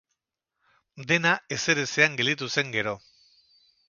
Dena ezerezean gelditu zen gero.